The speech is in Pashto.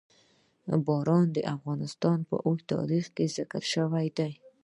باران د افغانستان په اوږده تاریخ کې ذکر شوی دی.